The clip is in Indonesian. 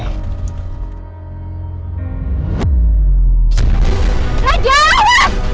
alhamdulillah semua masalah akhirnya selesai